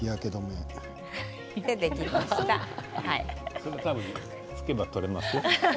それは多分拭けば取れますよ。